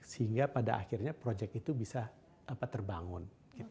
sehingga pada akhirnya proyek itu bisa terbangun